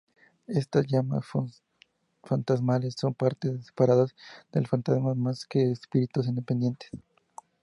Estas llamas fantasmales son partes separadas del fantasma más que espíritus independientes.